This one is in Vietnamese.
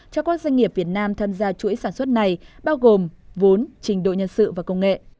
cho các doanh nghiệp việt nam tham gia chuỗi sản xuất này bao gồm vốn trình độ nhân sự và công nghệ